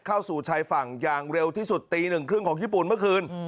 เข้าสู่ชายฝั่งอย่างเร็วที่สุดตีหนึ่งครึ่งของญี่ปุ่นเมื่อคืน